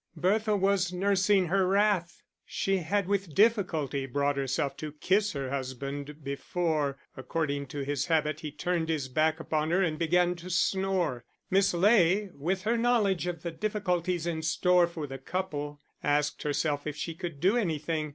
Bertha was nursing her wrath; she had with difficulty brought herself to kiss her husband before, according to his habit, he turned his back upon her and began to snore. Miss Ley, with her knowledge of the difficulties in store for the couple, asked herself if she could do anything.